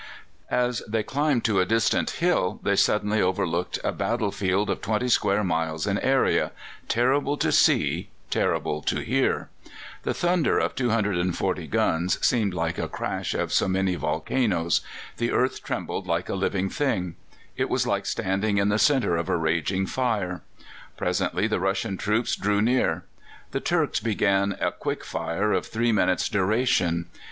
'" As they climbed to a distant hill they suddenly overlooked a battle field of twenty square miles in area terrible to see, terrible to hear. The thunder of 240 guns seemed like the crash of so many volcanoes; the earth trembled like a living thing. It was like standing in the centre of a raging fire. Presently the Russian troops drew near. The Turks began a quick fire of three minutes' duration.